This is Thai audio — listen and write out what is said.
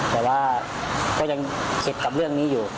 แต่ว่าก็ยังคิดกับเรื่องนี้อยู่